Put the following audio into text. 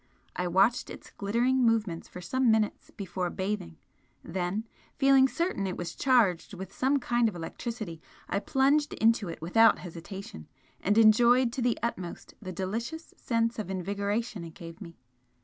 I watched its glittering movement for some minutes before bathing then, feeling certain it was charged with some kind of electricity, I plunged into it without hesitation and enjoyed to the utmost the delicious sense of invigoration it gave me.